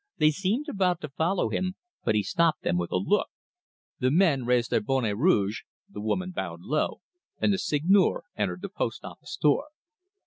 They seemed about to follow him, but he stopped them with a look. The men raised their bonnets rouges, the woman bowed low, and the Seigneur entered the post office door.